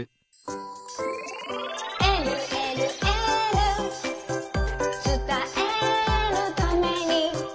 「えるえるエール」「つたえるために」